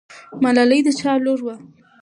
ملالۍ د چا لور وه؟